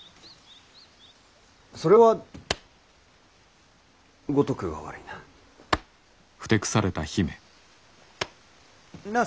それは五徳が悪いな。なあ？